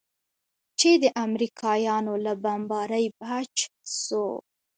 چې د امريکايانو له بمبارۍ بچ سو.